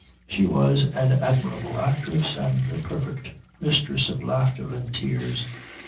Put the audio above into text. She was an admirable actress and a perfect mistress of laughter and tears.